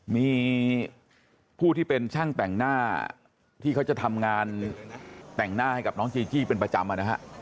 มีผู้ที่เป็นช่างแต่งหน้าที่เขาจะทำงานแต่งหน้าให้กับน้องจีจี้เป็นประจำนะฮะ